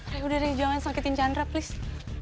reh udah reh jangan sakitin chandra please